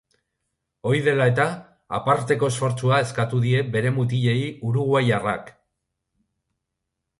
Hori dela eta, aparteko esfortzua eskatu die bere mutilei uruguaiarrak.